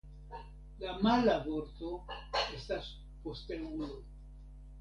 La mala vorto estas posteulo.